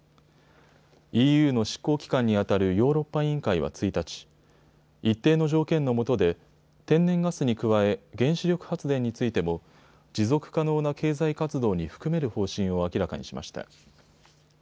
ＥＵの執行機関にあたるヨーロッパ委員会は１日、一定の条件の下で天然ガスに加え原子力発電についても持続可能な経済活動に含める方針を明らかにしました。